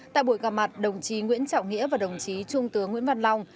tại buổi gặp mặt đồng chí nguyễn trọng nghĩa và đồng chí trung tướng nguyễn văn long